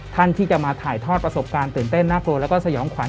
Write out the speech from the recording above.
ท่านที่จะมาถ่ายทอดประสบการณ์ตื่นเต้นน่ากลัวแล้วก็สยองขวัญ